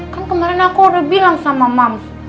kan kemarin aku udah bilang sama moms